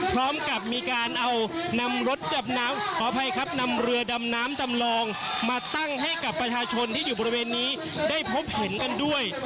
พร้อมกับมีการนำเรือดำน้ำจำลองมาตั้งให้กับประชาชนที่อยู่บริเวณนี้ได้พบเห็นกันด้วย